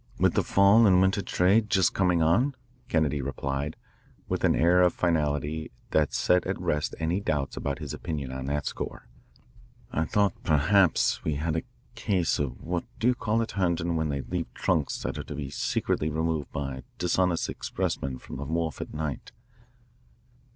"With the fall and winter trade just coming on?" Kennedy replied, with an air of finality that set at rest any doubts about his opinion on that score. "I thought perhaps we had a case of what do you call it, Herndon, when they leave trunks that are to be secretly removed by dishonest expressmen from the wharf at night?